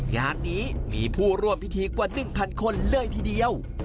งานนี้มีผู้ร่วมพิธีกว่า๑๐๐คนเลยทีเดียว